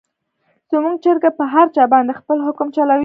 زموږ چرګه په هر چا باندې خپل حکم چلوي.